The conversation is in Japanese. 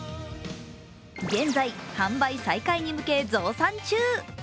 現在、販売再開に向け増産中。